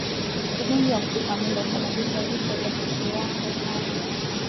Ugonjwa wa kutupa mimba husababisha vifo kwa kiwango kidogo sana